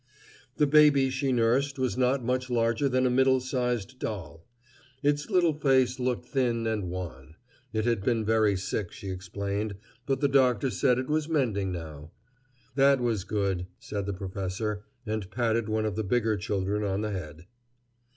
The baby she nursed was not much larger than a middle sized doll. Its little face looked thin and wan. It had been very sick, she explained, but the doctor said it was mending now. That was good, said the professor, and patted one of the bigger children on the head.